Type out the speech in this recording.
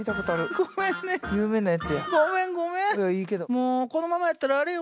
もうこのままやったらあれよ